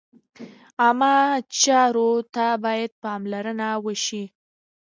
عامه چارو ته باید پاملرنه وشي.